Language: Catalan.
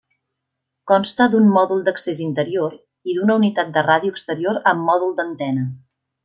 Consta d'un mòdul d'accés interior i d'una unitat de ràdio exterior amb mòdul d'antena.